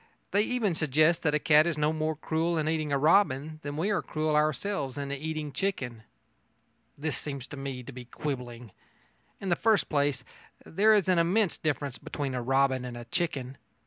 They even suggest that a cat is no more cruel in eating robin than we are cruel ourselves in eating chicken. This seems to me to be quibbling. In the first place, there is an immense difference between a robin and a chicken.